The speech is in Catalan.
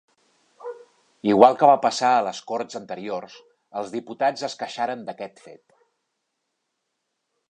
Igual que va passar a les corts anteriors, els diputats es queixaren d'aquest fet.